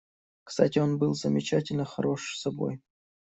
Кстати, он был замечательно хорош собой.